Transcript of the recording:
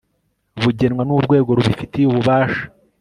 bugenwa n urwego rubifitiye ububasha